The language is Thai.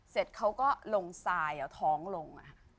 เสร็จเขาก็ลงท้องลงค่ะ